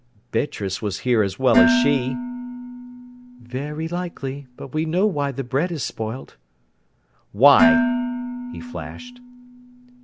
"Beatrice was here as well as she." "Very likely. But we know why the bread is spoilt." "Why?" he flashed.